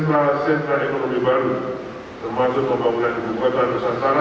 untuk menemukan sentra sentra ekonomi baru termasuk pembangunan buku kota nusantara